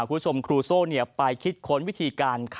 คุณผู้ชมครูโซ่ไปคิดค้นวิธีการ